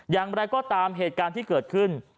อย่างไรก็ตามเหตุการณ์ที่เกิดขึ้น